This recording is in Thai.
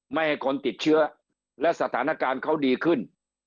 ไม่ให้คนติดเชื้อและสถานการณ์เขาดีขึ้น